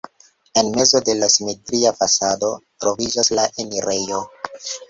En mezo de la simetria fasado troviĝas la enirejo.